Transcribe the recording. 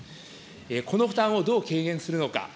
この負担をどう軽減するのか。